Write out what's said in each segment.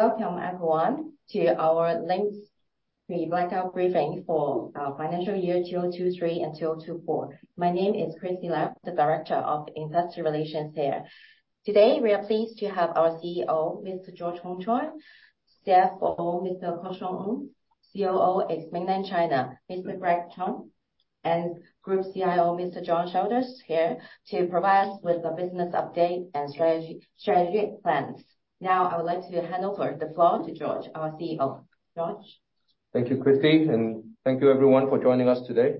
Welcome, everyone, to our Link Results briefing for our financial year 2023 and 2024. My name is Christy Lai, the Director of Investor Relations here. Today, we are pleased to have our CEO, Mr. George Hongchoy; CFO, Mr. Kok Siong Ng; COO in Mainland China, Mr. Greg Chubb; and Group CIO, Mr. John Saunders, here to provide us with a business update and strategy, strategic plans. Now, I would like to hand over the floor to George, our CEO. George? Thank you, Christy, and thank you everyone for joining us today.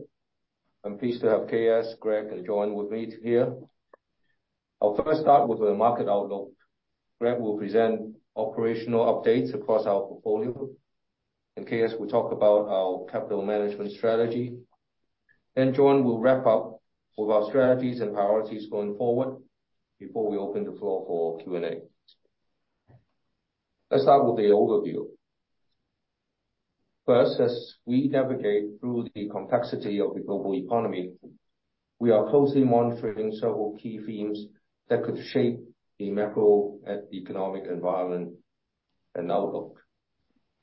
I'm pleased to have KS, Greg, and John with me here. I'll first start with the market outlook. Greg will present operational updates across our portfolio, and KS will talk about our capital management strategy, and John will wrap up with our strategies and priorities going forward before we open the floor for Q&A. Let's start with the overview. First, as we navigate through the complexity of the global economy, we are closely monitoring several key themes that could shape the macroeconomic environment and outlook.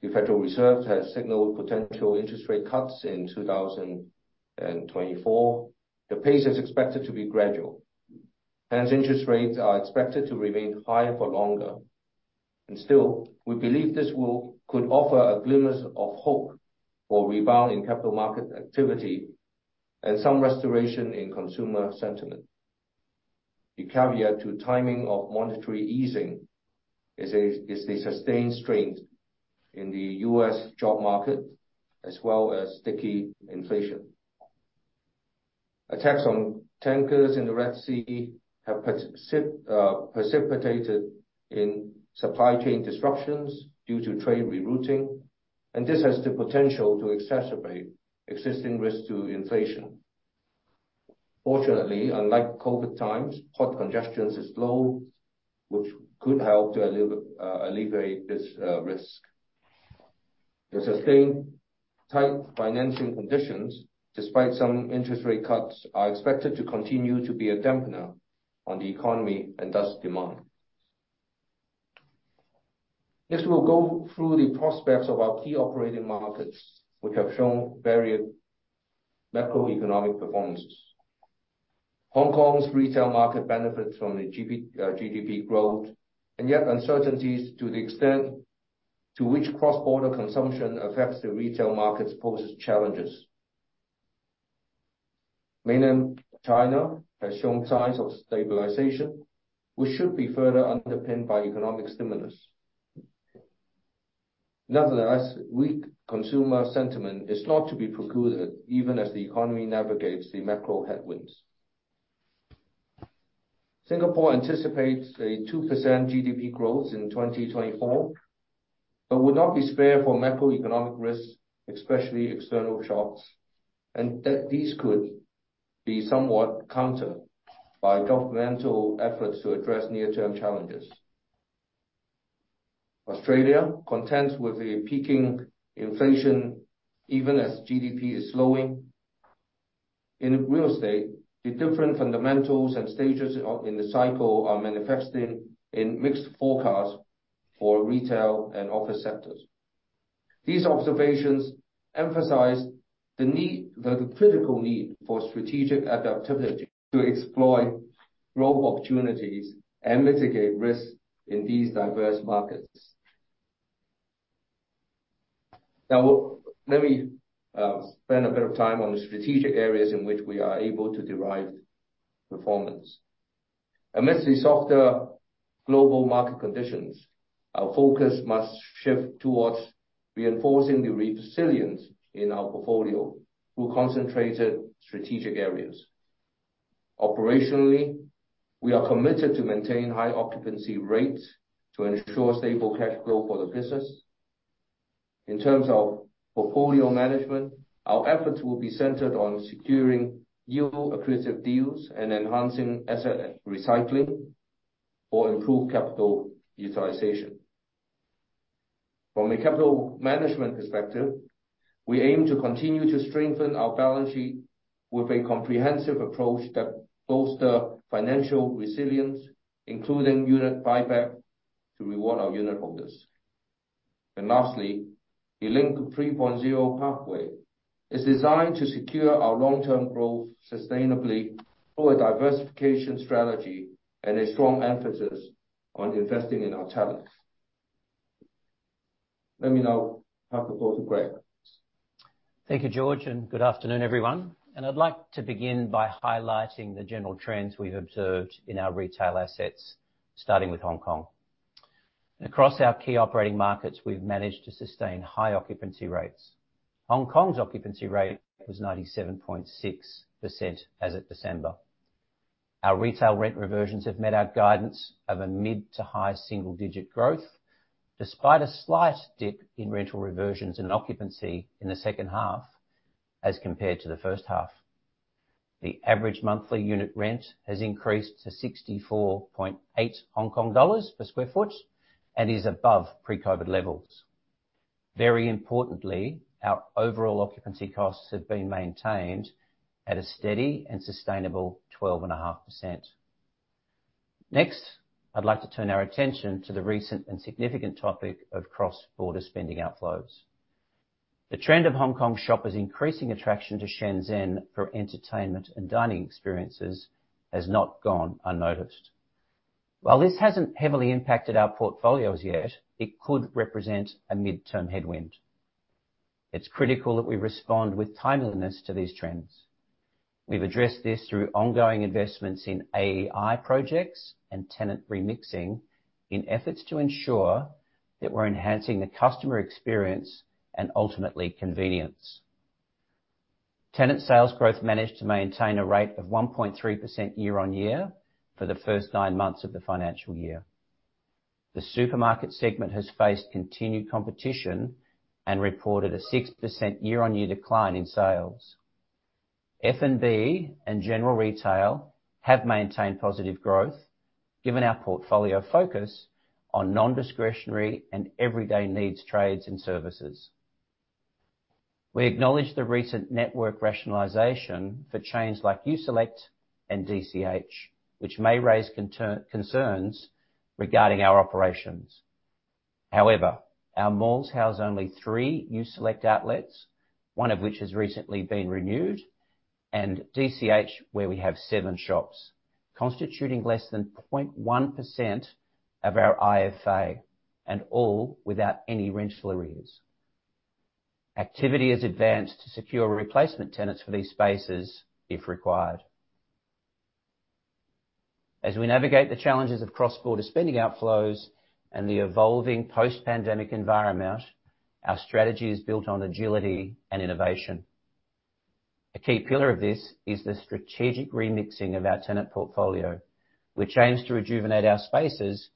The Federal Reserve has signaled potential interest rate cuts in 2024. The pace is expected to be gradual, hence interest rates are expected to remain higher for longer. Still, we believe this could offer a glimmer of hope for rebound in capital market activity and some restoration in consumer sentiment. The caveat to timing of monetary easing is the sustained strength in the U.S. job market, as well as sticky inflation. Attacks on tankers in the Red Sea have precipitated supply chain disruptions due to trade rerouting, and this has the potential to exacerbate existing risk to inflation. Fortunately, unlike COVID times, port congestion is low, which could help to alleviate this risk. The sustained tight financing conditions, despite some interest rate cuts, are expected to continue to be a dampener on the economy and thus demand. Next, we'll go through the prospects of our key operating markets, which have shown varied macroeconomic performances. Hong Kong's retail market benefits from the GDP growth, and yet uncertainties to the extent to which cross-border consumption affects the retail markets poses challenges. Mainland China has shown signs of stabilization, which should be further underpinned by economic stimulus. Nevertheless, weak consumer sentiment is not to be precluded, even as the economy navigates the macro headwinds. Singapore anticipates a 2% GDP growth in 2024, but would not be spared for macroeconomic risks, especially external shocks, and that these could be somewhat countered by governmental efforts to address near-term challenges. Australia contends with the peaking inflation, even as GDP is slowing. In real estate, the different fundamentals and stages of in the cycle are manifesting in mixed forecasts for retail and office sectors. These observations emphasize the need, the critical need for strategic adaptability to exploit growth opportunities and mitigate risks in these diverse markets. Now, let me spend a bit of time on the strategic areas in which we are able to derive performance. Amidst the softer global market conditions, our focus must shift towards reinforcing the resilience in our portfolio through concentrated strategic areas. Operationally, we are committed to maintain high occupancy rates to ensure stable cash flow for the business. In terms of portfolio management, our efforts will be centered on securing yield-accretive deals and enhancing asset recycling for improved capital utilization. From a capital management perspective, we aim to continue to strengthen our balance sheet with a comprehensive approach that bolster financial resilience, including unit buyback, to reward our unit holders. And lastly, the Link 3.0 pathway is designed to secure our long-term growth sustainably through a diversification strategy and a strong emphasis on investing in our talents. Let me now hand the call to Greg. Thank you, George, and good afternoon, everyone. I'd like to begin by highlighting the general trends we've observed in our retail assets, starting with Hong Kong. Across our key operating markets, we've managed to sustain high occupancy rates. Hong Kong's occupancy rate was 97.6% as of December. Our retail rent reversions have met our guidance of a mid- to high-single-digit growth, despite a slight dip in rental reversions and occupancy in the second half as compared to the first half. The average monthly unit rent has increased to 64.8 Hong Kong dollars per sq ft and is above pre-COVID levels. Very importantly, our overall occupancy costs have been maintained at a steady and sustainable 12.5%. Next, I'd like to turn our attention to the recent and significant topic of cross-border spending outflows. The trend of Hong Kong shoppers' increasing attraction to Shenzhen for entertainment and dining experiences has not gone unnoticed. While this hasn't heavily impacted our portfolios yet, it could represent a midterm headwind. It's critical that we respond with timeliness to these trends. We've addressed this through ongoing investments in AEI projects and tenant remixing, in efforts to ensure that we're enhancing the customer experience and ultimately, convenience. Tenant sales growth managed to maintain a rate of 1.3% year-on-year for the first nine months of the financial year. The supermarket segment has faced continued competition and reported a 6% year-on-year decline in sales. F&B and general retail have maintained positive growth, given our portfolio focus on non-discretionary and everyday needs trades and services. We acknowledge the recent network rationalization for chains like U Select and DCH, which may raise concerns regarding our operations. However, our malls house only three U Select outlets, one of which has recently been renewed, and DCH, where we have seven shops, constituting less than 0.1% of our IFA, and all without any rental arrears. Activity has advanced to secure replacement tenants for these spaces if required. As we navigate the challenges of cross-border spending outflows and the evolving post-pandemic environment, our strategy is built on agility and innovation. A key pillar of this is the strategic remixing of our tenant portfolio, which aims to rejuvenate our spaces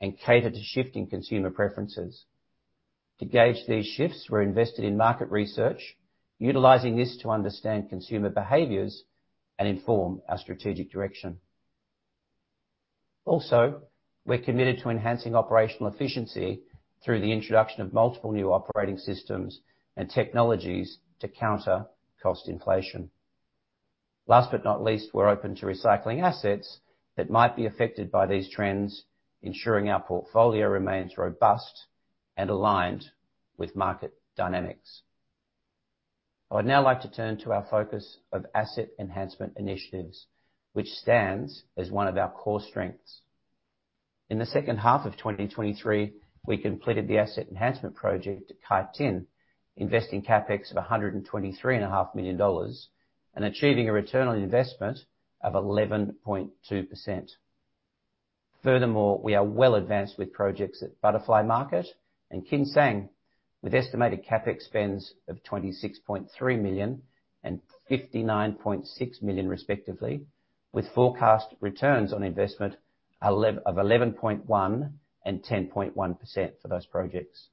and cater to shifting consumer preferences. To gauge these shifts, we're invested in market research, utilizing this to understand consumer behaviors and inform our strategic direction. Also, we're committed to enhancing operational efficiency through the introduction of multiple new operating systems and technologies to counter cost inflation. Last but not least, we're open to recycling assets that might be affected by these trends, ensuring our portfolio remains robust and aligned with market dynamics. I would now like to turn to our focus of asset enhancement initiatives, which stands as one of our core strengths. In the second half of 2023, we completed the asset enhancement project at Kai Tin, investing CapEx of $123.5 million, and achieving a return on investment of 11.2%. Furthermore, we are well advanced with projects at Butterfly Plaza and Kin Sang, with estimated CapEx spends of $26.3 million and $59.6 million, respectively, with forecast returns on investment of 11.1% and 10.1% for those projects.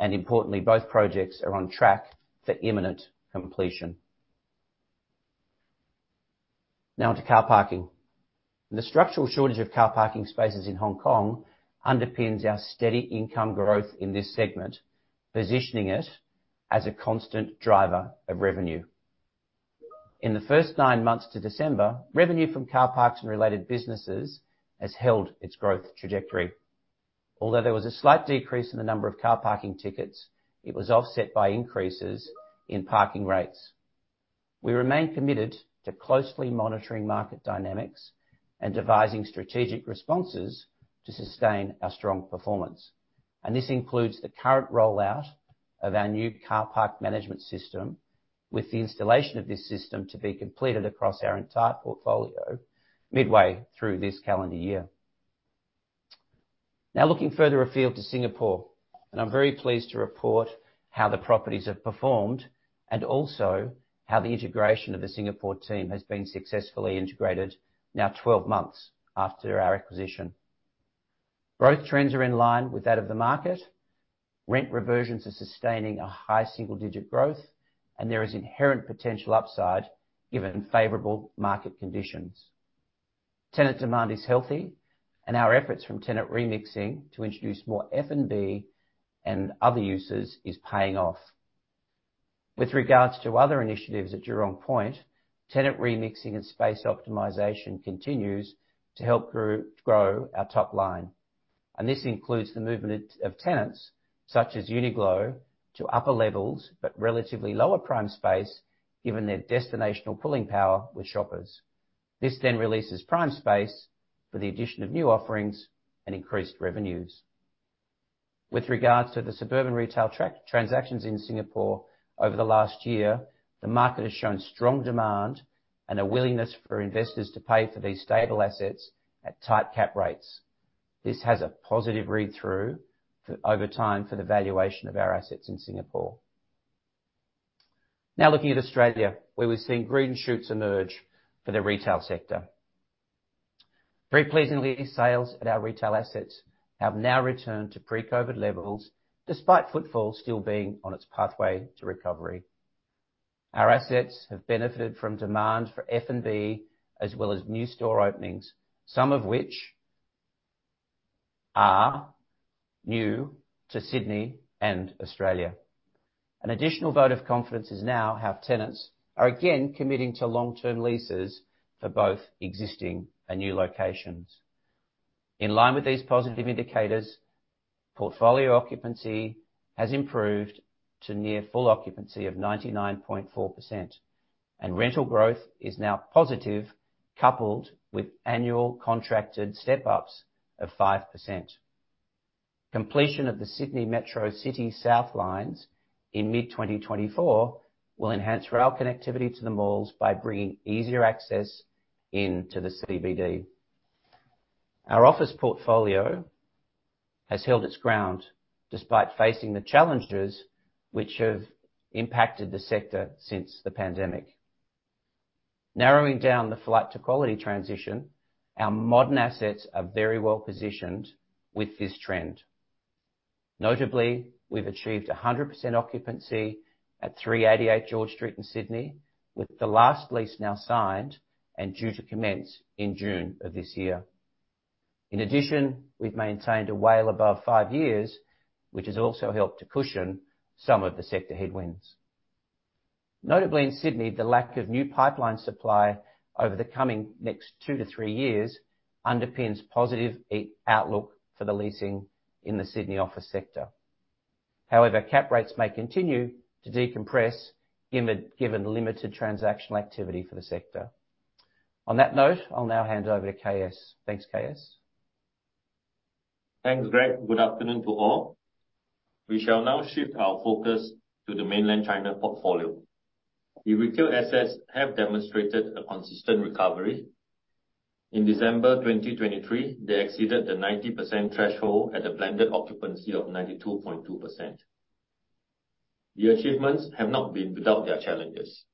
Importantly, both projects are on track for imminent completion. Now, on to car parking. The structural shortage of car parking spaces in Hong Kong underpins our steady income growth in this segment, positioning it as a constant driver of revenue. In the first nine months to December, revenue from car parks and related businesses has held its growth trajectory. Although there was a slight decrease in the number of car parking tickets, it was offset by increases in parking rates. We remain committed to closely monitoring market dynamics and devising strategic responses to sustain our strong performance, and this includes the current rollout of our new car park management system, with the installation of this system to be completed across our entire portfolio midway through this calendar year. Now, looking further afield to Singapore, and I'm very pleased to report how the properties have performed, and also how the integration of the Singapore team has been successfully integrated now 12 months after our acquisition. Growth trends are in line with that of the market. Rent reversions are sustaining a high single-digit growth, and there is inherent potential upside, given favorable market conditions. Tenant demand is healthy, and our efforts from tenant remixing to introduce more F&B and other uses is paying off. With regards to other initiatives at Jurong Point, tenant remixing and space optimization continues to help grow, grow our top line, and this includes the movement of tenants, such as Uniqlo, to upper levels, but relatively lower prime space, given their destinational pulling power with shoppers. This then releases prime space for the addition of new offerings and increased revenues. With regards to the suburban retail transactions in Singapore over the last year, the market has shown strong demand and a willingness for investors to pay for these stable assets at tight cap rates. This has a positive read-through for, over time, for the valuation of our assets in Singapore. Now, looking at Australia, where we're seeing green shoots emerge for the retail sector. Very pleasingly, sales at our retail assets have now returned to pre-COVID levels, despite footfall still being on its pathway to recovery. Our assets have benefited from demand for F&B, as well as new store openings, some of which are new to Sydney and Australia. An additional vote of confidence is now how tenants are again committing to long-term leases for both existing and new locations. In line with these positive indicators, portfolio occupancy has improved to near full occupancy of 99.4%, and rental growth is now positive, coupled with annual contracted step-ups of 5%. Completion of the Sydney Metro City & Southwest in mid-2024 will enhance rail connectivity to the malls by bringing easier access into the CBD. Our office portfolio has held its ground despite facing the challenges which have impacted the sector since the pandemic. Narrowing down the flight to quality transition, our modern assets are very well positioned with this trend. Notably, we've achieved 100% occupancy at 388 George Street in Sydney, with the last lease now signed and due to commence in June of this year. In addition, we've maintained a WALE above 5 years, which has also helped to cushion some of the sector headwinds. Notably, in Sydney, the lack of new pipeline supply over the coming next 2-3 years underpins positive outlook for the leasing in the Sydney office sector. However, cap rates may continue to decompress, given limited transactional activity for the sector. On that note, I'll now hand over to KS. Thanks, KS. Thanks, Greg. Good afternoon to all. We shall now shift our focus to the Mainland China portfolio. The retail assets have demonstrated a consistent recovery. In December 2023, they exceeded the 90% threshold at a blended occupancy of 92.2%. The achievements have not been without their challenges.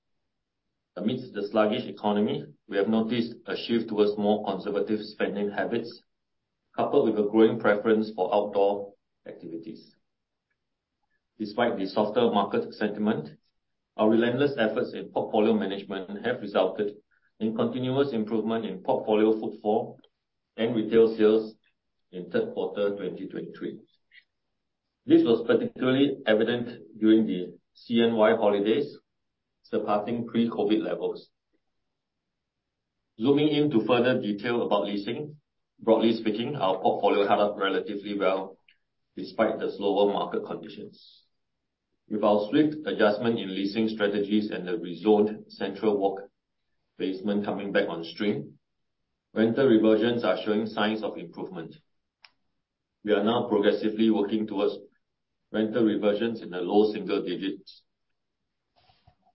Amidst the sluggish economy, we have noticed a shift towards more conservative spending habits, coupled with a growing preference for outdoor activities. Despite the softer market sentiment, our relentless efforts in portfolio management have resulted in continuous improvement in portfolio footfall and retail sales in third quarter, 2023. This was particularly evident during the CNY holidays, surpassing pre-COVID levels. Zooming into further detail about leasing, broadly speaking, our portfolio held up relatively well despite the slower market conditions. With our swift adjustment in leasing strategies and the rezoned CentralWalk basement coming back on stream, rental reversions are showing signs of improvement. We are now progressively working towards rental reversions in the low single digits.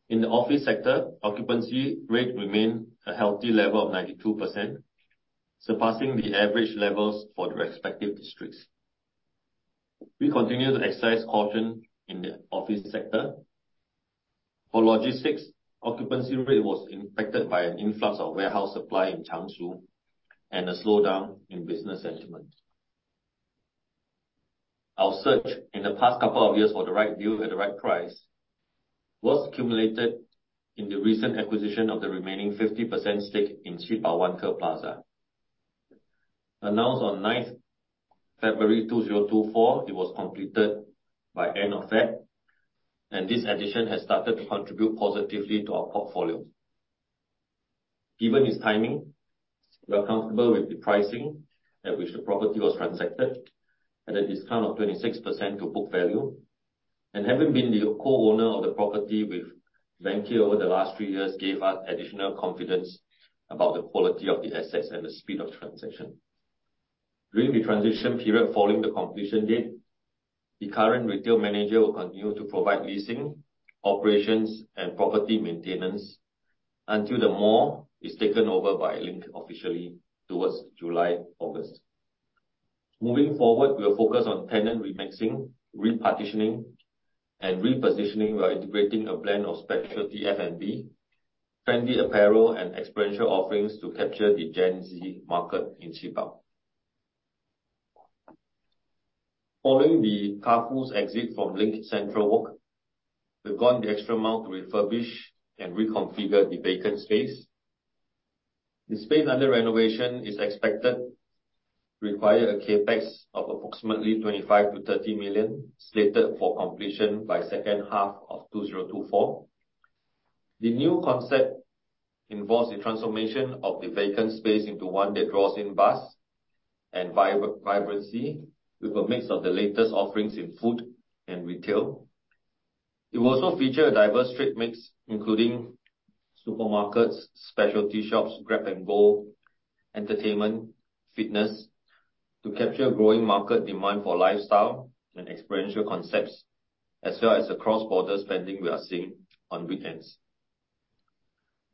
In the office sector, occupancy rate remain a healthy level of 92%, surpassing the average levels for the respective districts. We continue to exercise caution in the office sector. For logistics, occupancy rate was impacted by an influx of warehouse supply in Changshu and a slowdown in business sentiment. Our search in the past couple of years for the right deal at the right price was accumulated in the recent acquisition of the remaining 50% stake in Qibao Vanke Plaza. Announced on ninth February 2024, it was completed by end of February, and this addition has started to contribute positively to our portfolio. Given its timing, we are comfortable with the pricing at which the property was transacted at a discount of 26% to book value, and having been the co-owner of the property with Vanke over the last three years, gave us additional confidence about the quality of the assets and the speed of transaction. During the transition period following the completion date, the current retail manager will continue to provide leasing, operations, and property maintenance until the mall is taken over by Link officially towards July, August. Moving forward, we'll focus on tenant remixing, repartitioning, and repositioning while integrating a blend of specialty F&B, trendy apparel, and experiential offerings to capture the Gen Z market in Qibao Vanke Plaza. Following the Carrefour's exit from Link CentralWalk, we've gone the extra mile to refurbish and reconfigure the vacant space. The space under renovation is expected to require a CapEx of approximately 25 million-30 million, slated for completion by second half of 2024. The new concept involves the transformation of the vacant space into one that draws in buzz and vibrancy, with a mix of the latest offerings in food and retail. It will also feature a diverse trade mix, including supermarkets, specialty shops, grab and go, entertainment, fitness, to capture growing market demand for lifestyle and experiential concepts, as well as the cross-border spending we are seeing on weekends.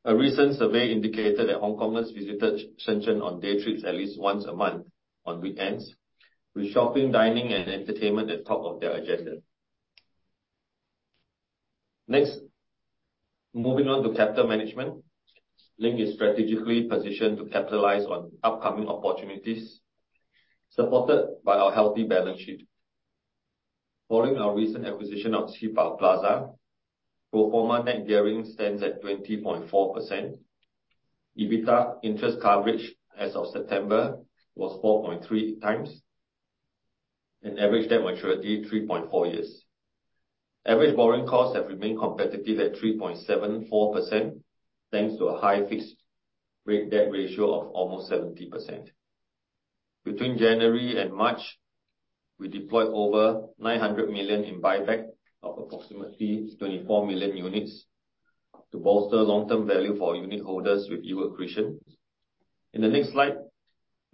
A recent survey indicated that Hong Kongers visited Shenzhen on day trips at least once a month on weekends, with shopping, dining, and entertainment at top of their agenda. Next, moving on to capital management. Link is strategically positioned to capitalize on upcoming opportunities.... supported by our healthy balance sheet. Following our recent acquisition of Qibao Vanke Plaza, pro forma net gearing stands at 20.4%. EBITDA interest coverage as of September was 4.3 times, and average debt maturity, 3.4 years. Average borrowing costs have remained competitive at 3.74%, thanks to a high fixed rate debt ratio of almost 70%. Between January and March, we deployed over 900 million in buyback of approximately 24 million units to bolster long-term value for our unit holders with yield accretion. In the next slide,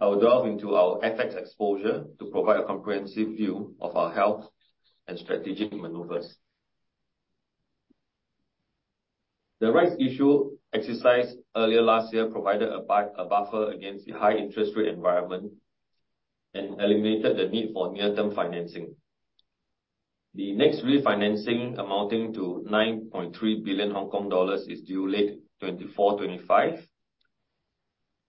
I will delve into our FX exposure to provide a comprehensive view of our health and strategic maneuvers. The rights issue exercised earlier last year provided a buffer against the high interest rate environment and eliminated the need for near-term financing. The next refinancing, amounting to 9.3 billion Hong Kong dollars, is due late 2024, 2025.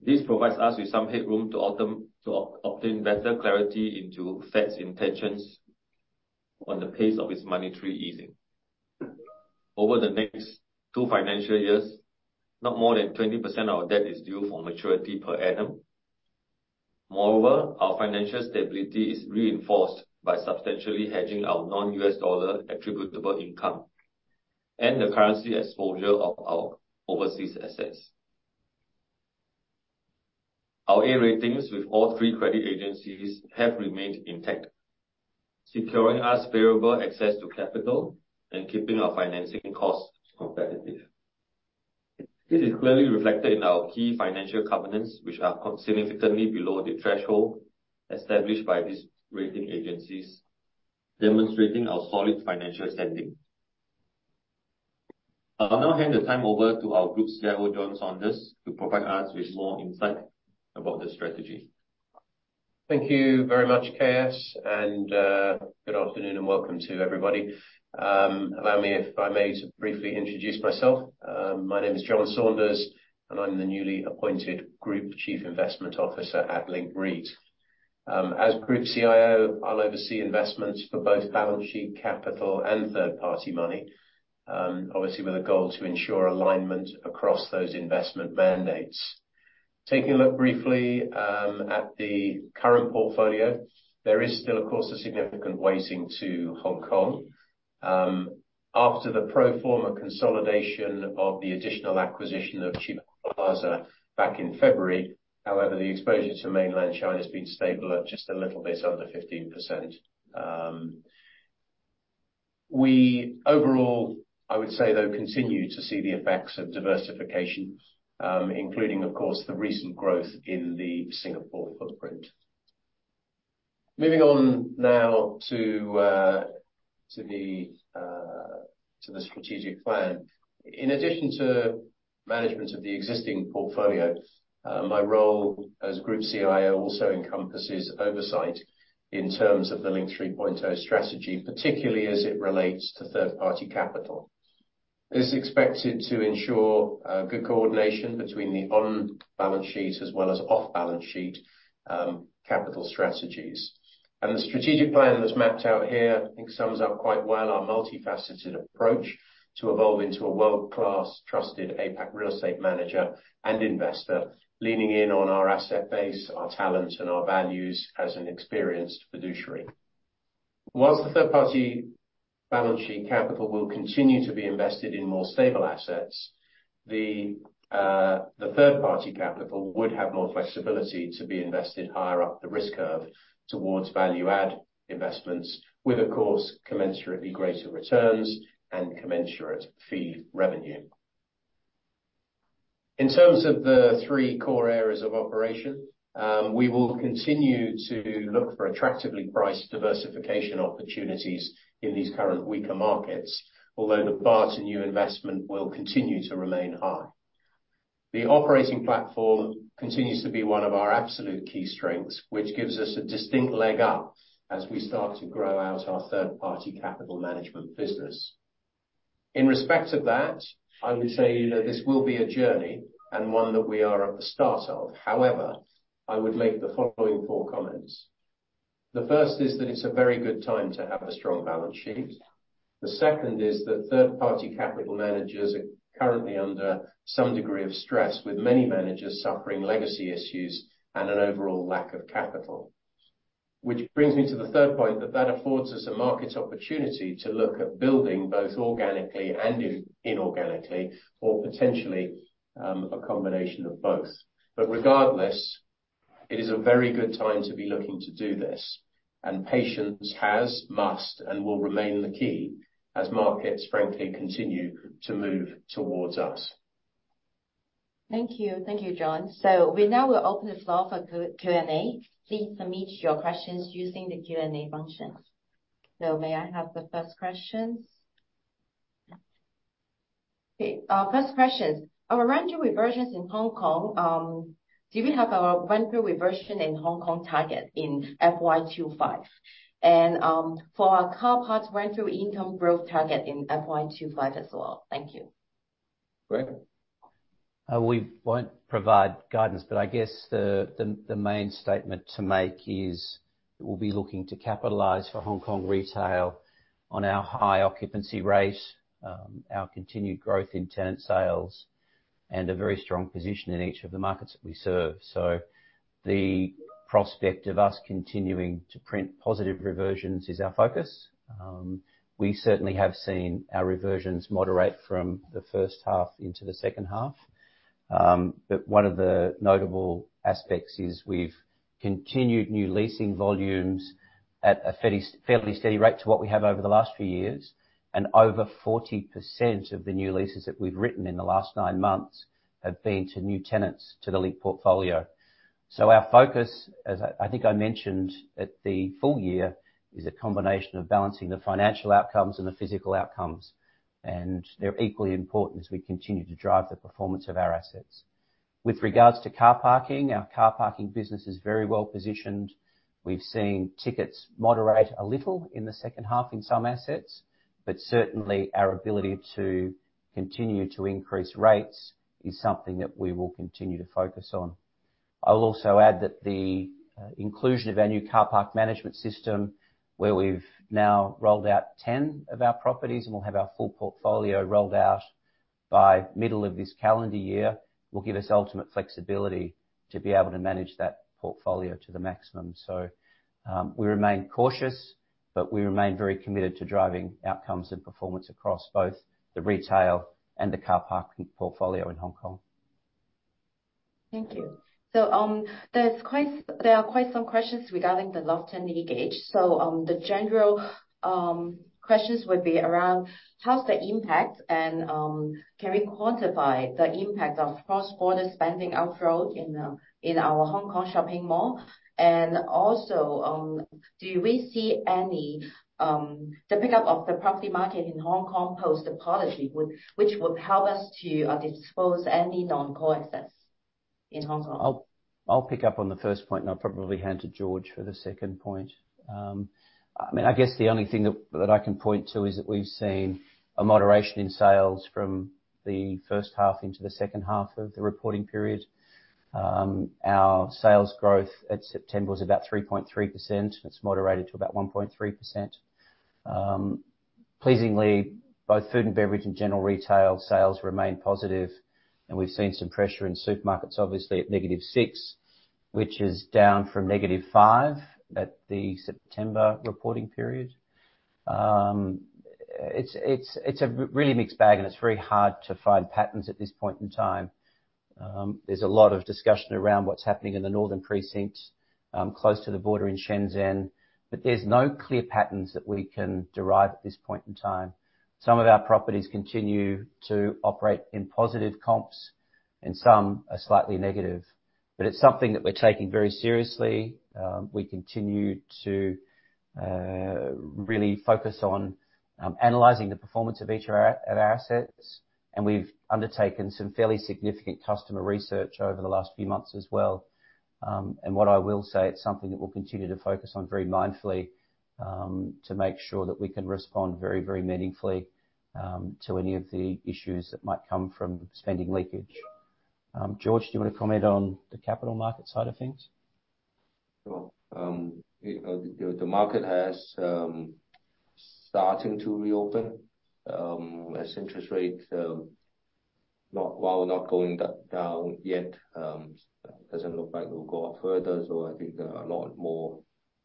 This provides us with some headroom ultimately to obtain better clarity into Fed's intentions on the pace of its monetary easing. Over the next two financial years, not more than 20% of our debt is due for maturity per annum. Moreover, our financial stability is reinforced by substantially hedging our non-U.S. dollar attributable income and the currency exposure of our overseas assets. Our A ratings with all three credit agencies have remained intact, securing us favorable access to capital and keeping our financing costs competitive. This is clearly reflected in our key financial covenants, which are significantly below the threshold established by these rating agencies, demonstrating our solid financial standing. I'll now hand the time over to our Group CIO, John Saunders, to provide us with more insight about the strategy. Thank you very much, KS, and good afternoon, and welcome to everybody. Allow me, if I may, to briefly introduce myself. My name is John Saunders, and I'm the newly appointed Group Chief Investment Officer at Link REIT. As Group CIO, I'll oversee investments for both balance sheet capital and third-party money, obviously with a goal to ensure alignment across those investment mandates. Taking a look briefly at the current portfolio, there is still, of course, a significant weighting to Hong Kong. After the pro forma consolidation of the additional acquisition of Plaza back in February, however, the exposure to Mainland China has been stable at just a little bit under 15%. We overall, I would say, though, continue to see the effects of diversification, including, of course, the recent growth in the Singapore footprint. Moving on now to the strategic plan. In addition to management of the existing portfolio, my role as Group CIO also encompasses oversight in terms of the Link 3.0 strategy, particularly as it relates to third-party capital. This is expected to ensure good coordination between the on-balance sheet as well as off-balance sheet capital strategies. And the strategic plan that's mapped out here, I think sums up quite well our multifaceted approach to evolve into a world-class, trusted APAC real estate manager and investor, leaning in on our asset base, our talents, and our values as an experienced fiduciary. While the third party balance sheet capital will continue to be invested in more stable assets, the third-party capital would have more flexibility to be invested higher up the risk curve towards value-add investments with, of course, commensurately greater returns and commensurate fee revenue. In terms of the three core areas of operation, we will continue to look for attractively priced diversification opportunities in these current weaker markets. Although the bar to new investment will continue to remain high. The operating platform continues to be one of our absolute key strengths, which gives us a distinct leg up as we start to grow out our third-party capital management business. In respect of that, I would say that this will be a journey, and one that we are at the start of. However, I would make the following four comments. The first is that it's a very good time to have a strong balance sheet. The second is that third-party capital managers are currently under some degree of stress, with many managers suffering legacy issues and an overall lack of capital. Which brings me to the third point, that that affords us a market opportunity to look at building both organically and inorganically, or potentially, a combination of both. But regardless, it is a very good time to be looking to do this, and patience has, must, and will remain the key as markets frankly continue to move towards us. Thank you. Thank you, John. So we now will open the floor for Q&A. Please submit your questions using the Q&A function. So may I have the first questions? Okay, first questions. Our rental reversions in Hong Kong, do we have our rental reversion in Hong Kong target in FY 25? And, for our car parks rental income growth target in FY 25 as well. Thank you. Great. We won't provide guidance, but I guess the main statement to make is we'll be looking to capitalize for Hong Kong retail on our high occupancy rate, our continued growth in tenant sales, and a very strong position in each of the markets that we serve. So the prospect of us continuing to print positive reversions is our focus. We certainly have seen our reversions moderate from the first half into the second half. But one of the notable aspects is we've continued new leasing volumes at a fairly steady rate to what we have over the last few years, and over 40% of the new leases that we've written in the last nine months have been to new tenants, to the Link portfolio. So our focus, as I think I mentioned at the full year, is a combination of balancing the financial outcomes and the physical outcomes, and they're equally important as we continue to drive the performance of our assets. With regards to car parking, our car parking business is very well positioned. We've seen tickets moderate a little in the second half in some assets, but certainly our ability to continue to increase rates is something that we will continue to focus on. I'll also add that the inclusion of our new car park management system, where we've now rolled out 10 of our properties, and we'll have our full portfolio rolled out by middle of this calendar year, will give us ultimate flexibility to be able to manage that portfolio to the maximum. We remain cautious, but we remain very committed to driving outcomes and performance across both the retail and the car park portfolio in Hong Kong. Thank you. So, there are quite some questions regarding the loft and leakage. So, the general questions would be around: How's the impact? And, can we quantify the impact of cross-border spending outflow in, in our Hong Kong shopping mall? And also, do we see any, the pickup of the property market in Hong Kong post the policy, which would help us to, dispose any non-core assets in Hong Kong? I'll pick up on the first point, and I'll probably hand to George for the second point. I mean, I guess the only thing that I can point to is that we've seen a moderation in sales from the first half into the second half of the reporting period. Our sales growth at September was about 3.3%. It's moderated to about 1.3%. Pleasingly, both food and beverage and general retail sales remain positive, and we've seen some pressure in supermarkets, obviously, at -6%, which is down from -5% at the September reporting period. It's a really mixed bag, and it's very hard to find patterns at this point in time. There's a lot of discussion around what's happening in the northern precincts, close to the border in Shenzhen, but there's no clear patterns that we can derive at this point in time. Some of our properties continue to operate in positive comps, and some are slightly negative. But it's something that we're taking very seriously. We continue to really focus on analyzing the performance of each of our assets, and we've undertaken some fairly significant customer research over the last few months as well. And what I will say, it's something that we'll continue to focus on very mindfully, to make sure that we can respond very, very meaningfully, to any of the issues that might come from spending leakage. George, do you want to comment on the capital market side of things? Sure. You know, the market has starting to reopen, as interest rates, not while we're not going down yet, doesn't look like it will go up further. So I think there are a lot more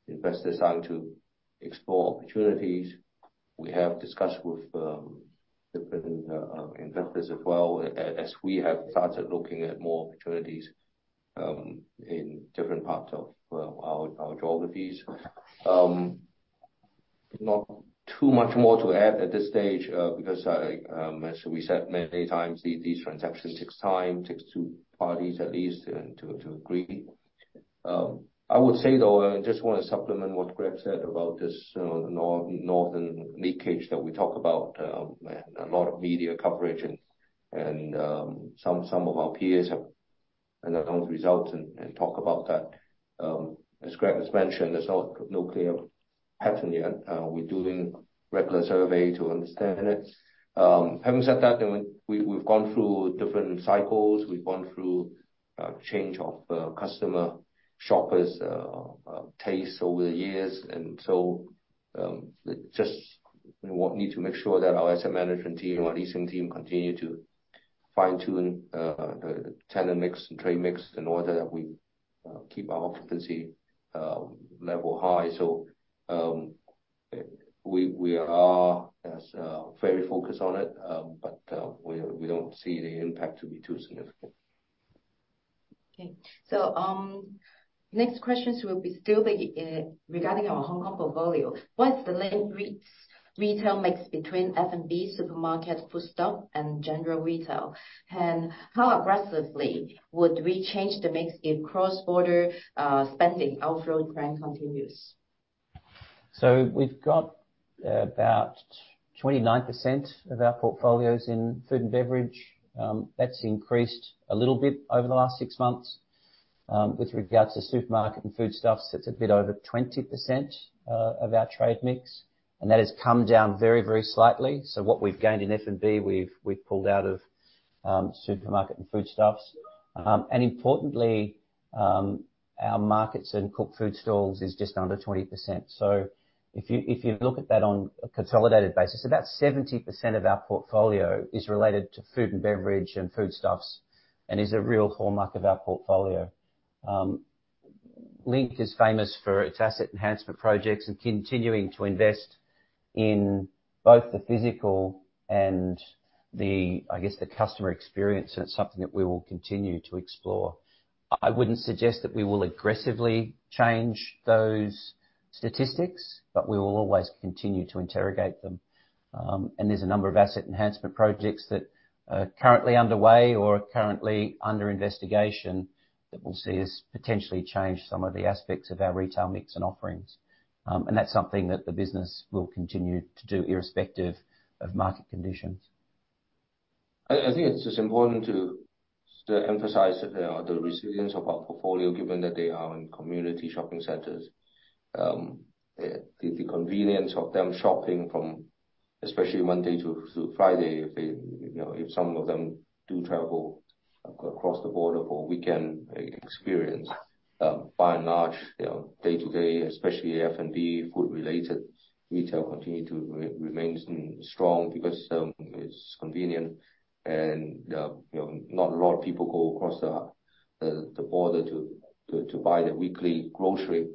investors starting to explore opportunities. We have discussed with different investors as well, as we have started looking at more opportunities in different parts of our geographies. Not too much more to add at this stage, because as we said many times, these transactions takes time, takes two parties at least, and to agree. I would say, though, I just want to supplement what Greg said about this northern leakage that we talk about. A lot of media coverage and some of our peers have announced results and talk about that. As Greg has mentioned, there's no clear pattern yet. We're doing regular survey to understand it. Having said that, I mean, we've gone through different cycles. We've gone through change of customer shoppers taste over the years. And so, just need to make sure that our asset management team, our leasing team, continue to fine-tune tenant mix and trade mix in order that we keep our occupancy level high. So, we are as very focused on it, but we don't see the impact to be too significant. Okay. So, next questions will still be regarding our Hong Kong portfolio. What's the latest retail mix between F&B, supermarket, food stall, and general retail? And how aggressively would we change the mix if cross-border spending outflow trend continues? So we've got about 29% of our portfolios in food and beverage. That's increased a little bit over the last six months with regards to supermarket and food stuffs, it's a bit over 20% of our trade mix, and that has come down very, very slightly. So what we've gained in F&B, we've pulled out of supermarket and food stuffs. And importantly, our markets and cooked food stalls is just under 20%. So if you look at that on a consolidated basis, about 70% of our portfolio is related to food and beverage and food stuffs, and is a real hallmark of our portfolio. Link is famous for its asset enhancement projects and continuing to invest in both the physical and, I guess, the customer experience, and it's something that we will continue to explore. I wouldn't suggest that we will aggressively change those statistics, but we will always continue to interrogate them. There's a number of asset enhancement projects that are currently underway or are currently under investigation, that will see us potentially change some of the aspects of our retail mix and offerings. That's something that the business will continue to do irrespective of market conditions. I think it's just important to emphasize that the resilience of our portfolio, given that they are in community shopping centers. The convenience of them shopping from especially Monday to Friday, if they, you know, if some of them do travel across the border for weekend experience. By and large, you know, day-to-day, especially F&B food-related retail continue to remain strong because it's convenient and, you know, not a lot of people go across the border to buy their weekly grocery.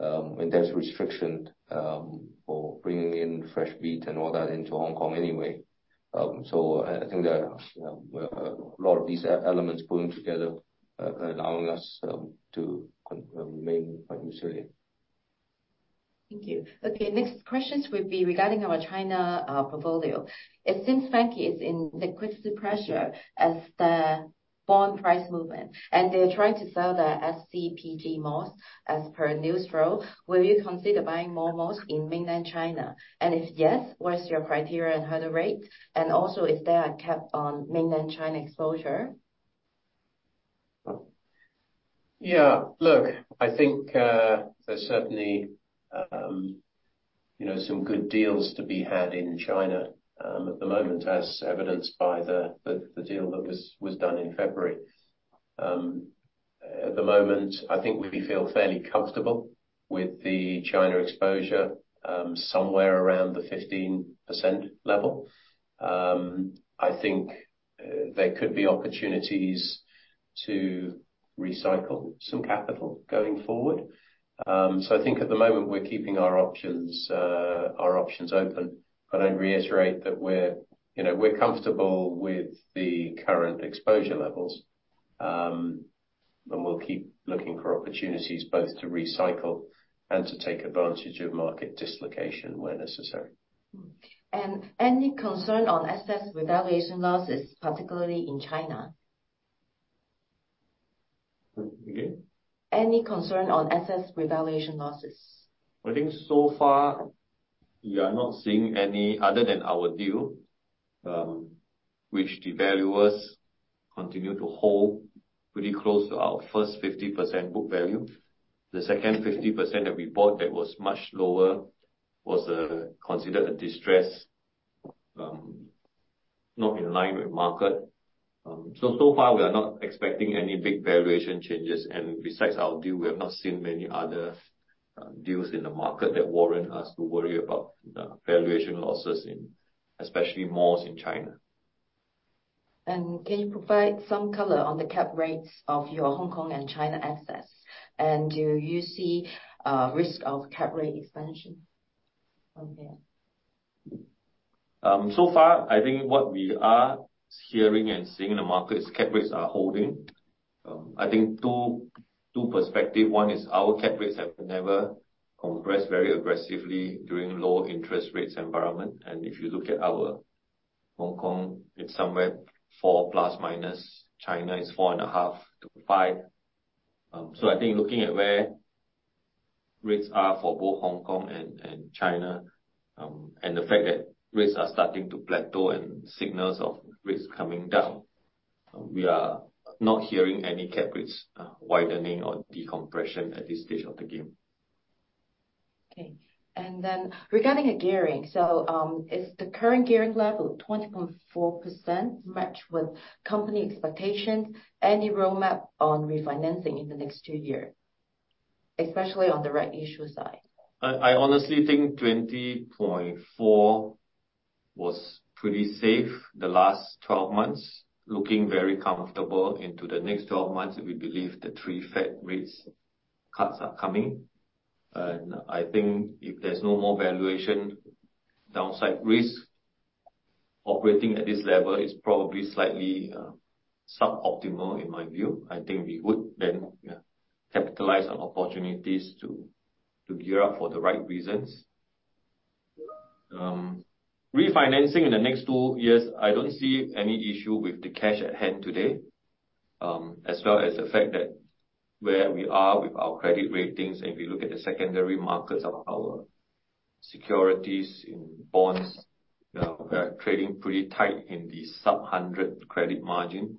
And there's restriction for bringing in fresh meat and all that into Hong Kong anyway. So I think there are a lot of these elements pulling together, allowing us to continue to remain quite resilient. Thank you. Okay, next questions will be regarding our China portfolio. It seems Vanke is in liquidity pressure as the bond price movement, and they're trying to sell their SCPG malls as per news flow. Will you consider buying more malls in mainland China? And if yes, what is your criteria and hurdle rate? And also, is there a cap on mainland China exposure? Yeah, look, I think there's certainly, you know, some good deals to be had in China, at the moment, as evidenced by the deal that was done in February. At the moment, I think we feel fairly comfortable with the China exposure, somewhere around the 15% level. I think there could be opportunities to recycle some capital going forward. So I think at the moment, we're keeping our options open. But I reiterate that we're, you know, we're comfortable with the current exposure levels. And we'll keep looking for opportunities both to recycle and to take advantage of market dislocation where necessary. Any concern on assets revaluation losses, particularly in China? Again? Any concern on assets revaluation losses? I think so far, we are not seeing any other than our deal, which the valuers continue to hold pretty close to our first 50% book value. The second 50% that we bought that was much lower was considered a distress, not in line with market. So far, we are not expecting any big valuation changes. And besides our deal, we have not seen many other deals in the market that warrant us to worry about valuation losses in especially malls in China. Can you provide some color on the cap rates of your Hong Kong and China assets? And do you see a risk of cap rate expansion from there? So far, I think what we are hearing and seeing in the market is cap rates are holding. I think two perspectives. One is our cap rates have never compressed very aggressively during low interest rates environment. And if you look at our Hong Kong, it's somewhere 4 plus minus, China is 4.5-5. So I think looking at where rates are for both Hong Kong and China, and the fact that rates are starting to plateau and signals of rates coming down, we are not hearing any cap rates widening or decompression at this stage of the game. Okay. And then regarding the gearing, so, is the current gearing level of 20.4% match with company expectations? Any roadmap on refinancing in the next two years, especially on the rights issue side? I honestly think 20.4 was pretty safe the last 12 months, looking very comfortable into the next 12 months. We believe the three Fed rate cuts are coming. And I think if there's no more valuation downside risk, operating at this level is probably slightly suboptimal in my view. I think we would then capitalize on opportunities to gear up for the right reasons. Refinancing in the next 2 years, I don't see any issue with the cash at hand today, as well as the fact that where we are with our credit ratings, and we look at the secondary markets of our securities in bonds, we are trading pretty tight in the sub-100 credit margin.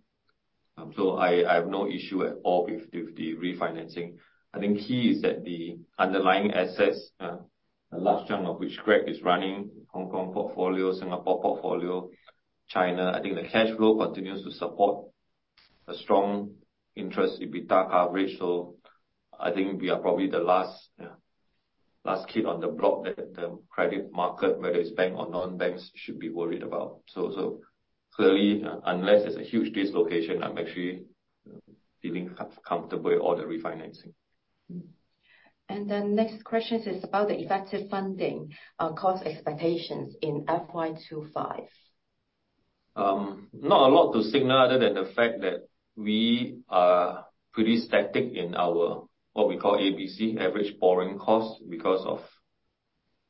So I have no issue at all with the refinancing. I think key is that the underlying assets, a large chunk of which Greg is running, Hong Kong portfolio, Singapore portfolio, China, I think the cash flow continues to support a strong interest EBITDA coverage. So I think we are probably the last kid on the block that the credit market, whether it's bank or non-banks, should be worried about. So clearly, unless there's a huge dislocation, I'm actually feeling comfortable with all the refinancing. Next question is about the effective funding cost expectations in FY 2025. Not a lot to signal other than the fact that we are pretty static in our what we call ABC, average borrowing cost, because of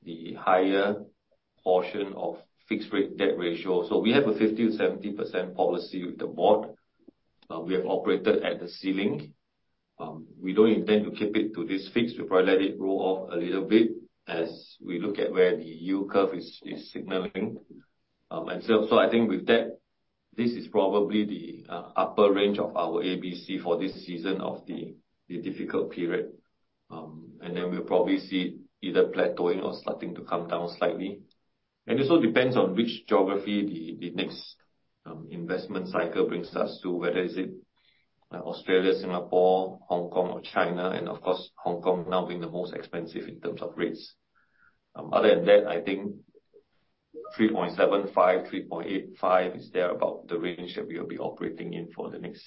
the higher portion of fixed rate debt ratio. So we have a 50%-70% policy with the board. We have operated at the ceiling. We don't intend to keep it to this fix. We'll probably let it roll off a little bit as we look at where the yield curve is signaling. And so I think with that, this is probably the upper range of our ABC for this season of the difficult period. And then we'll probably see it either plateauing or starting to come down slightly. And it also depends on which geography the next investment cycle brings us to, whether is it Australia, Singapore, Hong Kong or China, and of course, Hong Kong now being the most expensive in terms of rates. Other than that, I think 3.75-3.85 is there about the range that we will be operating in for the next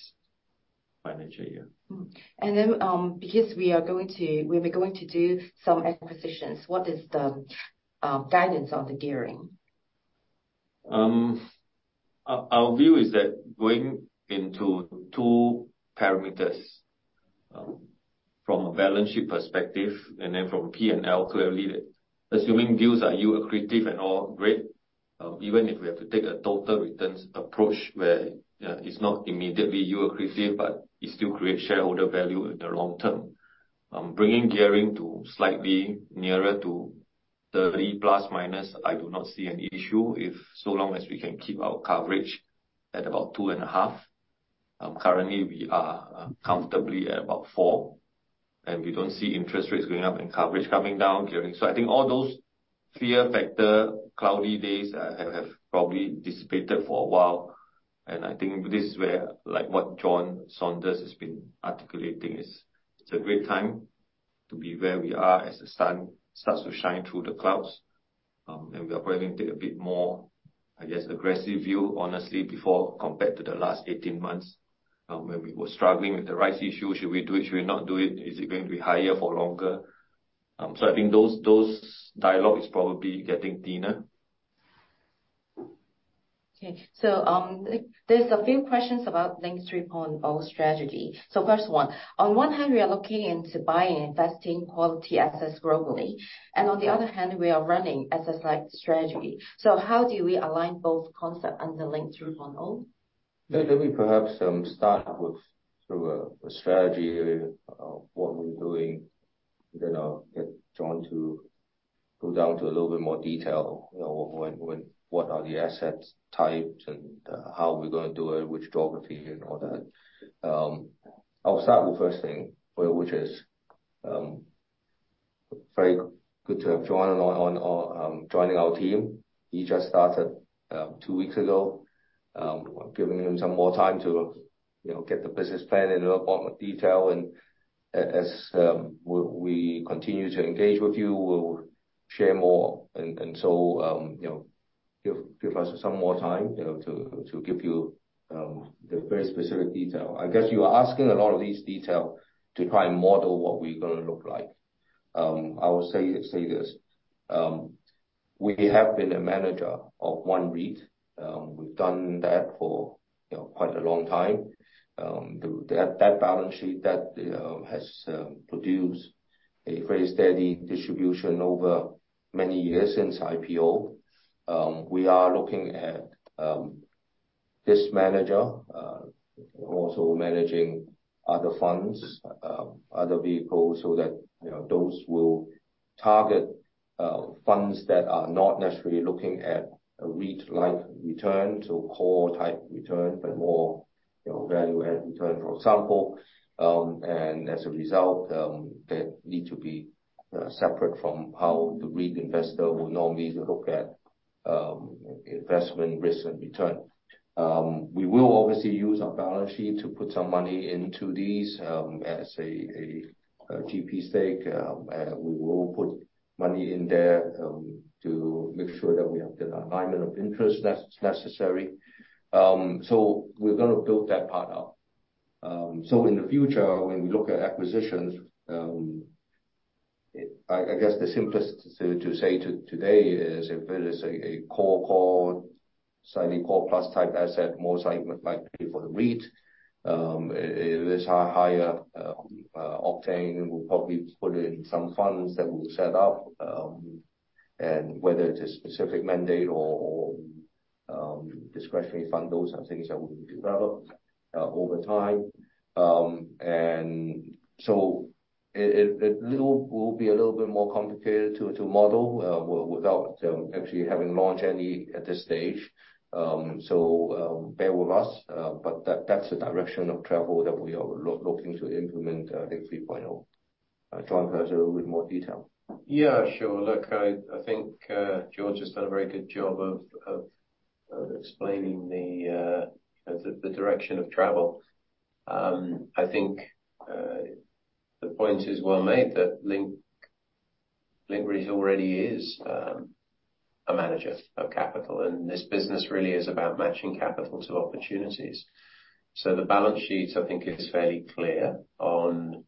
financial year. Hmm. And then, because we are going to- we were going to do some acquisitions, what is the guidance on the gearing? Our view is that going into two parameters, from a balance sheet perspective and then from P&L, clearly, assuming views are yield accretive and all, great. Even if we have to take a total returns approach where it's not immediately yield accretive, but it still creates shareholder value in the long term. Bringing gearing to slightly nearer to 30 plus, minus, I do not see an issue, if so long as we can keep our coverage at about 2.5. Currently we are comfortably at about 4, and we don't see interest rates going up and coverage coming down, gearing. So I think all those fear factor, cloudy days have probably dissipated for a while, and I think this is where, like what John Saunders has been articulating, is it's a great time to be where we are as the sun starts to shine through the clouds. And we are probably going to take a bit more, I guess, aggressive view, honestly, before compared to the last 18 months, when we were struggling with the rise issue. Should we do it? Should we not do it? Is it going to be higher for longer? So I think those dialogue is probably getting thinner. Okay. So, there's a few questions about Link 3.0 strategy. So first one, on one hand, we are looking into buying and investing quality assets globally, and on the other hand, we are running asset light strategy. So how do we align both concept under Link 3.0? Let me perhaps start with through a strategy of what we're doing. Then I'll get John to go down to a little bit more detail, you know, when what are the assets types and how we're going to do it, which geography and all that. I'll start with first thing, which is very good to have John on joining our team. He just started two weeks ago, giving him some more time to, you know, get the business plan in a lot more detail. As we continue to engage with you, we'll share more. So, you know, give us some more time, you know, to give you the very specific detail. I guess you are asking a lot of these details to try and model what we're going to look like. I will say this, we have been a manager of one REIT. We've done that for, you know, quite a long time. That balance sheet that has produced a very steady distribution over many years since IPO. We are looking at this manager also managing other funds, other vehicles, so that, you know, those will target funds that are not necessarily looking at a REIT-like return, so core-type return, but more, you know, value-add return, for example. And as a result, that need to be separate from how the REIT investor will normally look at investment risk and return. We will obviously use our balance sheet to put some money into these, as a GP stake. And we will put money in there, to make sure that we have the alignment of interest necessary. So we're going to build that part out. So in the future, when we look at acquisitions, I guess the simplest to say today is, if it is a core, slightly core plus type asset, more like likely for the REIT, if it's a higher octane, we'll probably put in some funds that we'll set up. And whether it's a specific mandate or discretionary fund, those are things that we develop over time. It will be a little bit more complicated to model without actually having launched any at this stage. Bear with us, but that's the direction of travel that we are looking to implement in 3.0. John has a little bit more detail. Yeah, sure. Look, I think George has done a very good job of explaining the direction of travel. I think the point is well made, that Link REIT already is a manager of capital, and this business really is about matching capital to opportunities. So the balance sheet, I think, is fairly clear on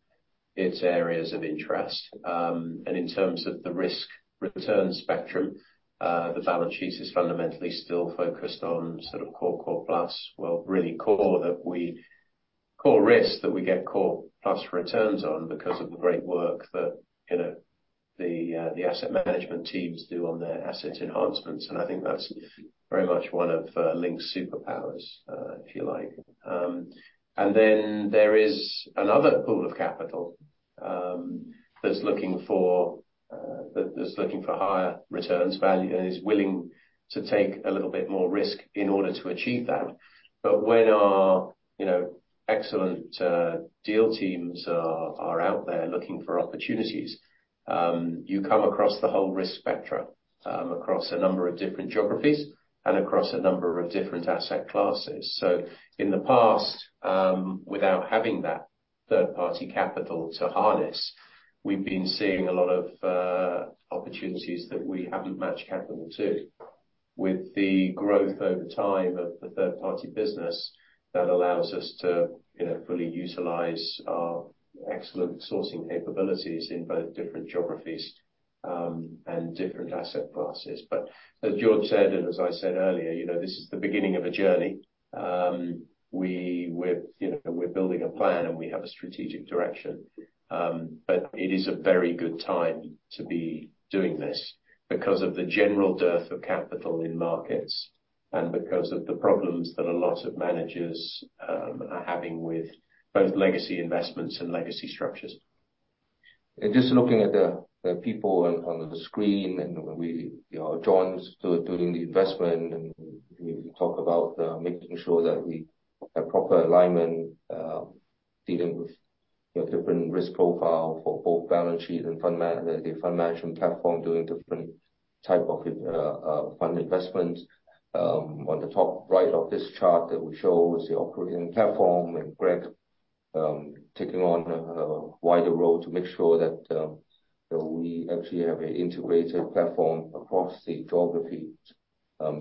its areas of interest. And in terms of the risk return spectrum, the balance sheet is fundamentally still focused on sort of core plus, well, really core risk that we get core plus returns on, because of the great work that, you know, the asset management teams do on their asset enhancements. And I think that's very much one of Link's superpowers, if you like. Then there is another pool of capital that's looking for higher returns, value, and is willing to take a little bit more risk in order to achieve that. But when our, you know, excellent deal teams are out there looking for opportunities, you come across the whole risk spectrum across a number of different geographies and across a number of different asset classes. So in the past, without having that third party capital to harness, we've been seeing a lot of opportunities that we haven't matched capital to. With the growth over time of the third party business, that allows us to, you know, fully utilize our excellent sourcing capabilities in both different geographies and different asset classes. But as George said, and as I said earlier, you know, this is the beginning of a journey. We're, you know, we're building a plan, and we have a strategic direction. But it is a very good time to be doing this, because of the general dearth of capital in markets, and because of the problems that a lot of managers are having with both legacy investments and legacy structures. And just looking at the people on the screen, and we—John's doing the investment, and we talk about making sure that we have proper alignment, dealing with, you know, different risk profile for both balance sheet and fund management platform, doing different type of fund investments. On the top right of this chart that we show is the operating platform, and Greg taking on a wider role to make sure that we actually have an integrated platform across the geography.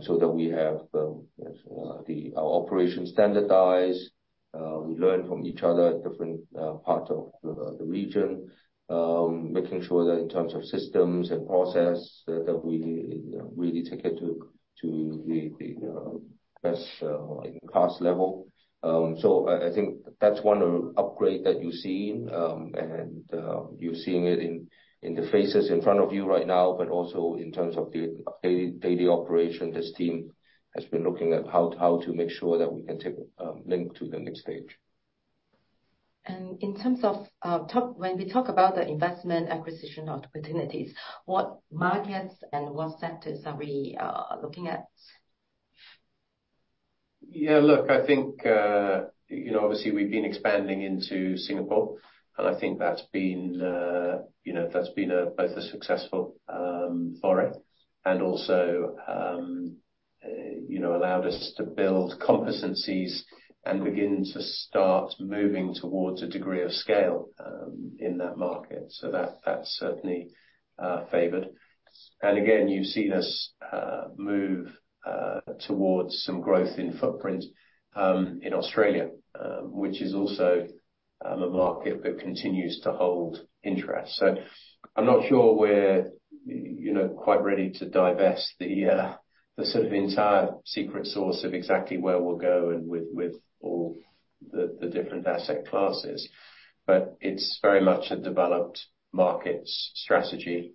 So that we have our operations standardized, we learn from each other, different parts of the region. Making sure that in terms of systems and process, that we really take it to the best cost level. So, I think that's one upgrade that you're seeing. And you're seeing it in the faces in front of you right now, but also in terms of the daily operation, this team has been looking at how to make sure that we can take Link to the next stage. In terms of, when we talk about the investment acquisition opportunities, what markets and what sectors are we looking at? Yeah, look, I think, you know, obviously we've been expanding into Singapore, and I think that's been, you know, that's been both a successful foray and also, you know, allowed us to build competencies and begin to start moving towards a degree of scale in that market. So that's certainly favored. And again, you've seen us move towards some growth in footprint in Australia, which is also a market that continues to hold interest. So I'm not sure we're, you know, quite ready to divulge the sort of entire secret sauce of exactly where we'll go and with all the different asset classes. But it's very much a developed markets strategy.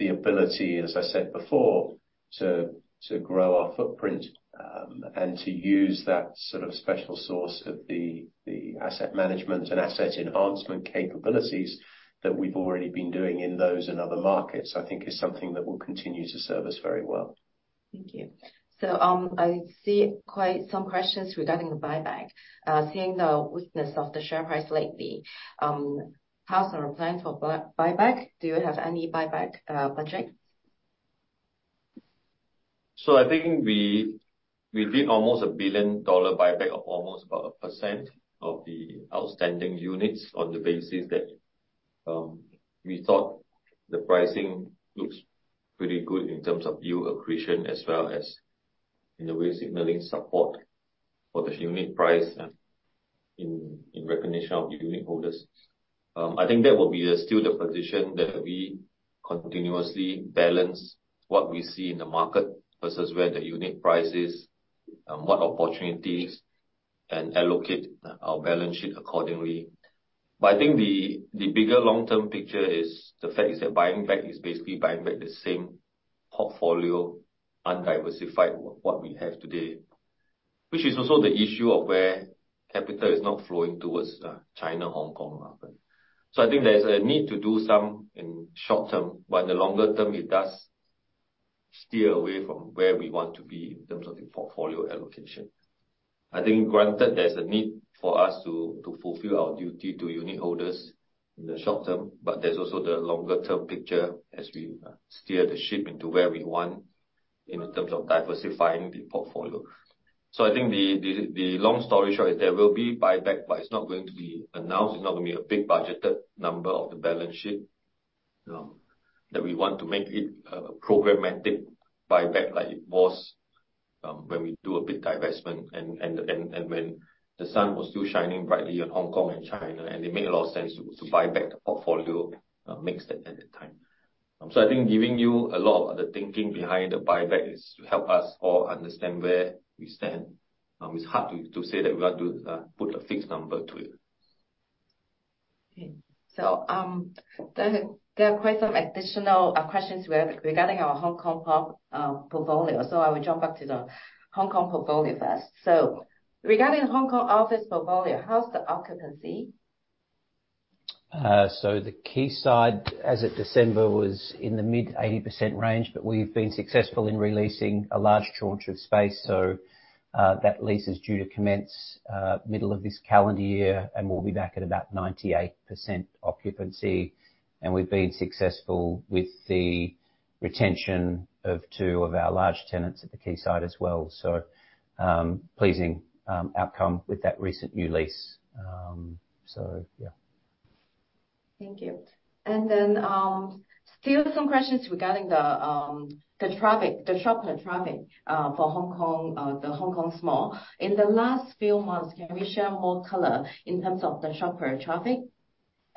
The ability, as I said before, to grow our footprint, and to use that sort of special sauce of the asset management and asset enhancement capabilities that we've already been doing in those and other markets, I think is something that will continue to serve us very well. Thank you. So, I see quite some questions regarding the buyback. Seeing the weakness of the share price lately, how are the plans for buyback? Do you have any buyback budget? So I think we did almost 1 billion dollar buyback of almost about 1% of the outstanding units on the basis that we thought the pricing looks pretty good in terms of yield accretion, as well as in a way, signaling support for the unit price and in recognition of the unit holders. I think that will be still the position, that we continuously balance what we see in the market versus where the unit price is, what opportunities and allocate our balance sheet accordingly. But I think the bigger long-term picture is the fact is that buying back is basically buying back the same portfolio, undiversified what we have today, which is also the issue of where capital is not flowing towards China, Hong Kong. So I think there's a need to do some in short term, but in the longer term, it does steer away from where we want to be in terms of the portfolio allocation. I think granted, there's a need for us to, to fulfill our duty to unit holders in the short term, but there's also the longer-term picture as we, steer the ship into where we want in terms of diversifying the portfolio. So I think the long story short is there will be buyback, but it's not going to be announced, it's not going to be a big budgeted number of the balance sheet, that we want to make it a programmatic buyback like it was, when we do a big divestment and when the sun was still shining brightly on Hong Kong and China, and it made a lot of sense to buy back the portfolio mix at that time. So I think giving you a lot of the thinking behind the buyback is to help us all understand where we stand. It's hard to say that we want to put a fixed number to it. Okay. So, there are quite some additional questions with regarding our Hong Kong portfolio. I will jump back to the Hong Kong portfolio first. Regarding the Hong Kong office portfolio, how's the occupancy? So The Quayside, as of December, was in the mid-80% range, but we've been successful in re-leasing a large chunk of space, so that lease is due to commence middle of this calendar year, and we'll be back at about 98% occupancy. We've been successful with the retention of two of our large tenants at The Quayside as well. So pleasing outcome with that recent new lease. So yeah. Thank you. And then, still some questions regarding the traffic, the shopper traffic, for Hong Kong, the Hong Kong malls. In the last few months, can you share more color in terms of the shopper traffic?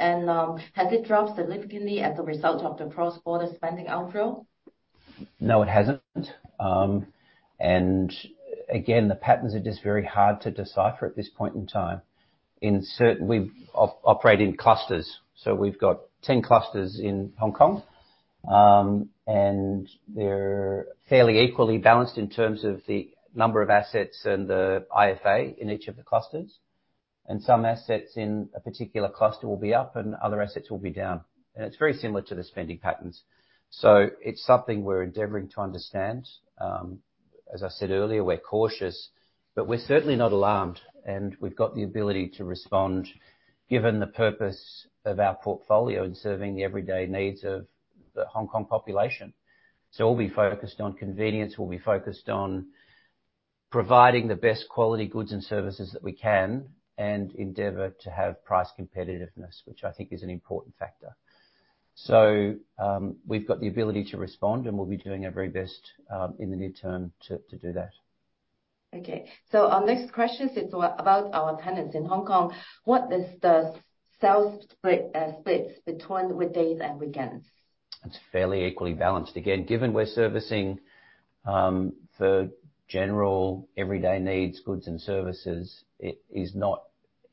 And, has it dropped significantly as a result of the cross-border spending outflow? No, it hasn't. And again, the patterns are just very hard to decipher at this point in time. In certain, we operate in clusters, so we've got 10 clusters in Hong Kong. And they're fairly equally balanced in terms of the number of assets and the IFA in each of the clusters. And some assets in a particular cluster will be up and other assets will be down, and it's very similar to the spending patterns. So it's something we're endeavoring to understand. As I said earlier, we're cautious, but we're certainly not alarmed, and we've got the ability to respond, given the purpose of our portfolio in serving the everyday needs of the Hong Kong population. We'll be focused on convenience, we'll be focused on providing the best quality goods and services that we can, and endeavor to have price competitiveness, which I think is an important factor. We've got the ability to respond, and we'll be doing our very best, in the near term to do that. Okay. So our next question is about our tenants in Hong Kong. What is the sales split, splits between weekdays and weekends? It's fairly equally balanced. Again, given we're servicing the general everyday needs, goods and services, it is not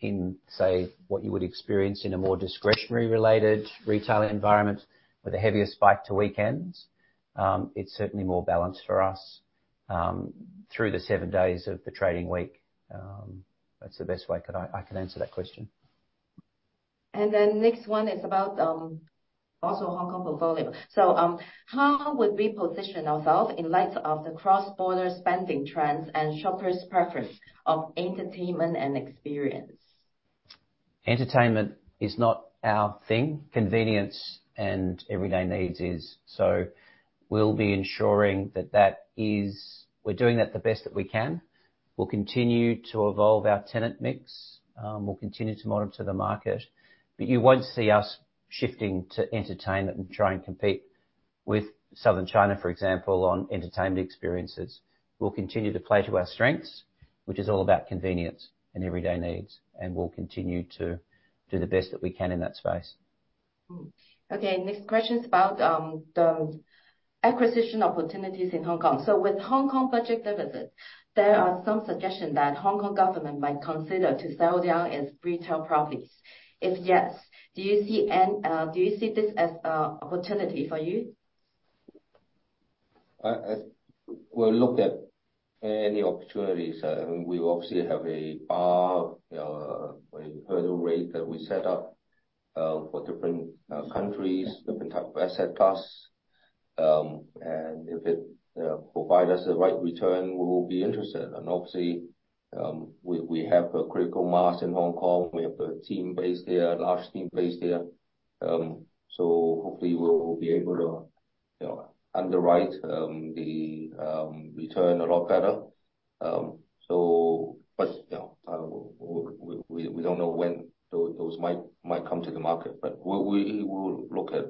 in, say, what you would experience in a more discretionary-related retail environment with a heavier spike to weekends. It's certainly more balanced for us through the seven days of the trading week. That's the best way I can answer that question. And then next one is about, also Hong Kong portfolio. So, how would we position ourselves in light of the cross-border spending trends and shoppers' preference of entertainment and experience? Entertainment is not our thing. Convenience and everyday needs is. So we'll be ensuring that that is... We're doing that the best that we can. We'll continue to evolve our tenant mix, we'll continue to monitor the market, but you won't see us shifting to entertainment and try and compete with Southern China, for example, on entertainment experiences. We'll continue to play to our strengths, which is all about convenience and everyday needs, and we'll continue to do the best that we can in that space. Okay, next question is about the acquisition opportunities in Hong Kong. So with Hong Kong budget deficit, there are some suggestions that Hong Kong government might consider to sell down its retail properties. If yes, do you see this as a opportunity for you? As we'll look at any opportunities, we obviously have a bar, a hurdle rate that we set up, for different, countries- Yeah. Different type of asset class. And if it provide us the right return, we will be interested. And obviously, we have a critical mass in Hong Kong. We have a team base there, a large team base there. So hopefully we will be able to, you know, underwrite the return a lot better. So but, you know, we don't know when those might come to the market, but we, we'll look at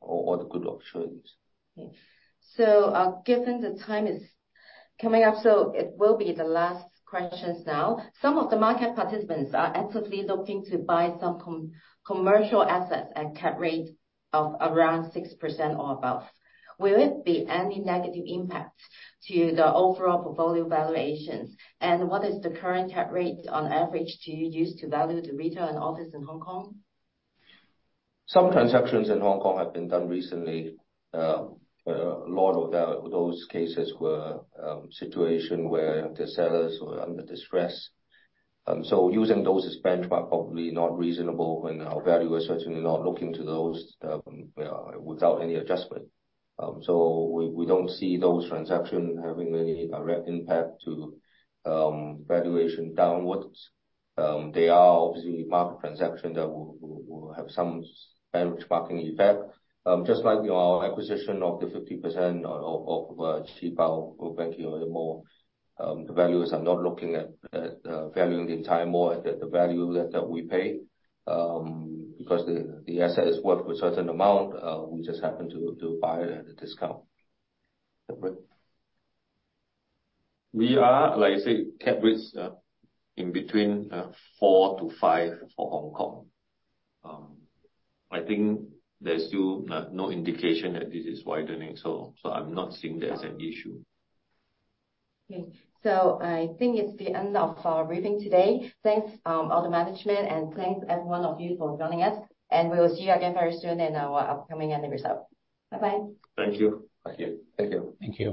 all the good opportunities. Okay. So, given the time is coming up, so it will be the last questions now. Some of the market participants are actively looking to buy some commercial assets at cap rate of around 6% or above. Will it be any negative impact to the overall portfolio valuations? And what is the current cap rate on average, do you use to value the retail and office in Hong Kong? Some transactions in Hong Kong have been done recently. A lot of those cases were situation where the sellers were under distress. So using those as benchmark, probably not reasonable when our valuers are certainly not looking to those without any adjustment. So we don't see those transactions having any direct impact to valuation downwards. They are obviously market transactions that will have some benchmarking effect. Just like our acquisition of the 50% of Qibao, we're making a little more, the valuers are not looking at valuing the entire mall at the value that we pay, because the asset is worth a certain amount, we just happen to buy it at a discount. Is that right? We are, like you say, cap rates in between 4-5 for Hong Kong. I think there's still no indication that this is widening, so I'm not seeing that as an issue. Okay. I think it's the end of our briefing today. Thanks, all the management, and thanks everyone of you for joining us, and we will see you again very soon in our upcoming annual result. Bye-bye. Thank you. Thank you. Thank you. Thank you.